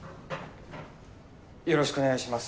よろしくお願いします。